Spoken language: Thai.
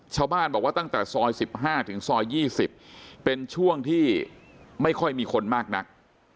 ชาวบ้านบอกว่าตั้งแต่ซอย๑๕ถึงซอย๒๐เป็นช่วงที่ไม่ค่อยมีคนมากนัก